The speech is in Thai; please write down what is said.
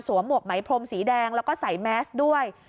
หมวกไหมพรมสีแดงแล้วก็ใส่แมสด้วย